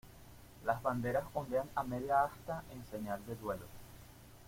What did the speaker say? Las banderas ondean a media asta en señal de duelo.